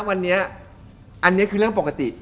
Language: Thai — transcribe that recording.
วันนี้อันนี้คือเรื่องปกติ